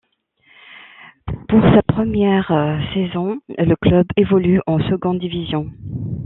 Pour sa première saison, le club évolue en seconde division.